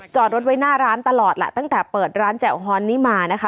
จอดรถไว้หน้าร้านตลอดแหละตั้งแต่เปิดร้านแจ่วฮอนนี้มานะคะ